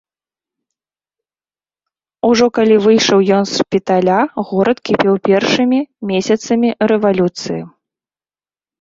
Ужо калі выйшаў ён з шпіталя, горад кіпеў першымі месяцамі рэвалюцыі.